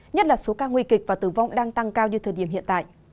nhất là số ca nguy kịch và tử vong đang tăng cao như thời điểm hiện tại